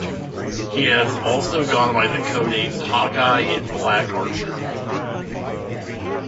He has also gone by the codenames "Hawkeye" and "Black Archer".